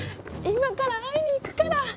今から会いに行くから。